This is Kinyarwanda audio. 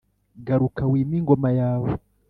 garuka wime ingoma yawe